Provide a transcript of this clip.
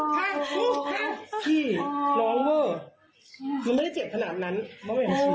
ไม่เจ็บหรอกพี่ร้องเวอร์